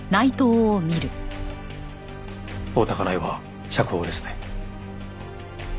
大多香苗は釈放ですね。